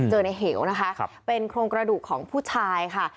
เจอในเหวนะคะเป็นโครงกระดูกของผู้ชายค่ะ